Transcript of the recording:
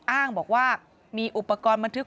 อ้างบอกว่ามีอุปกรณ์บันทึก